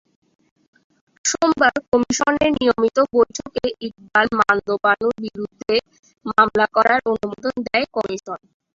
সোমবার কমিশনের নিয়মিত বৈঠকে ইকবাল মান্দ বানুর বিরুদ্ধে মামলা করার অনুমোদন দেয় কমিশন।